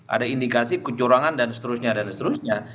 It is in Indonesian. ada indikasi kecurangan dan seterusnya dan seterusnya